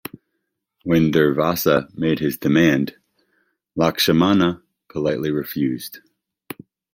When Durvasa made his demand, Lakshmana politely refused.